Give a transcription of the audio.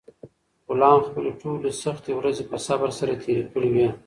غلام خپلې ټولې سختې ورځې په صبر سره تېرې کړې وې.